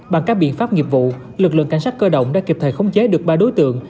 bằng các biện pháp nghiệp vụ lực lượng cảnh sát cơ động đã kịp thời khống chế được ba đối tượng